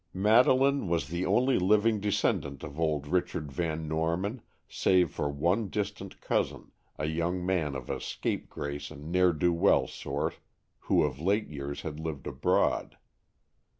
Madeleine was the only living descendant of old Richard Van Norman, save for one distant cousin, a young man of a scapegrace and ne'er do weel sort, who of late years had lived abroad.